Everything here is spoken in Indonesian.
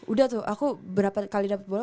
udah tuh aku berapa kali dapat bola